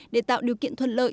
để tạo điều kiện thuận lợi